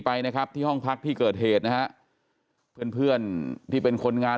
ไปนะครับที่ห้องพักที่เกิดเหตุนะฮะเพื่อนเพื่อนที่เป็นคนงาน